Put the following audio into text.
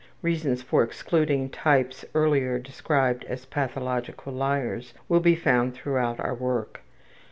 Reasons for excluding types earlier described as pathological liars will be found throughout our work.